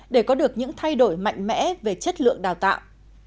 để có được những thay đổi mạnh mẽ về chất lượng đào tạo